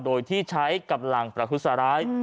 โดยที่ใช้กำลังประทุษร้าย